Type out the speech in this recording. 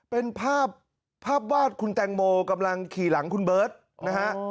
เป็นภาพภาพวาดคุณแตงโมกำลังขี่หลังคุณเบิร์ตนะฮะ